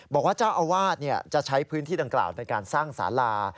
บอกว่าเจ้าอาวาสจะใช้พื้นที่ดังกล่าวในการสร้างสารา